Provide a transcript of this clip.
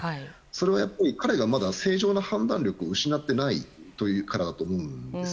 それは彼がまだ正常な判断力を失っていないからだと思うんです。